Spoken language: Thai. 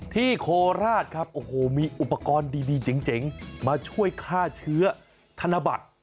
โคราชครับโอ้โหมีอุปกรณ์ดีเจ๋งมาช่วยฆ่าเชื้อธนบัตร